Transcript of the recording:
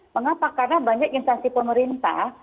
mengapa karena banyak instansi pemerintah